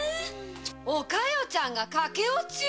お加代ちゃんが駆け落ち！？